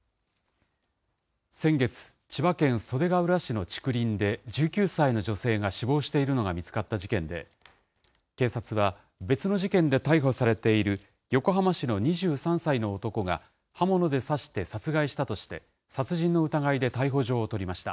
先月、千葉県袖ケ浦市の竹林で１９歳の女性が死亡しているのが見つかった事件で、警察は別の事件で逮捕されている横浜市の２３歳の男が刃物で刺して殺害したとして、殺人の疑いで逮捕状を取りました。